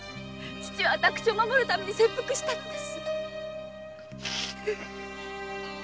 私を守るために切腹したのです。